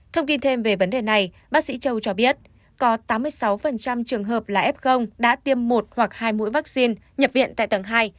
thông tin thêm về vấn đề này bác sĩ châu cho biết có tám mươi sáu trường hợp là f đã tiêm một hoặc hai mũi vaccine nhập viện tại tầng hai